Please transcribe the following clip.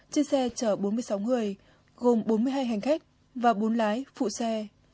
trên xe chở bốn mươi sáu người gồm bốn mươi hai hành khách và bốn lái phụ xe